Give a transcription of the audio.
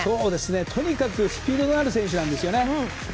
とにかくスピードのある選手なんです。